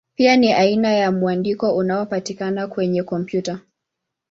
Pia ni aina ya mwandiko unaopatikana kwenye kompyuta.